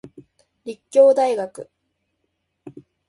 立教大学